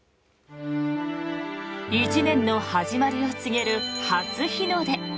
１年の始まりを告げる初日の出。